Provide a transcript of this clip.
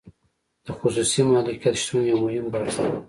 د خصوصي مالکیت شتون یو مهم بحث دی.